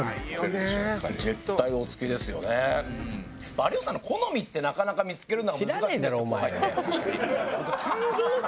有吉さんの好みってなかなか見付けるのが難しいんですよ後輩って。